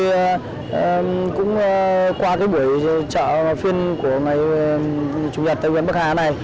và cũng qua cái buổi trọ phiên của ngày chủ nhật tại huyện bắc hà này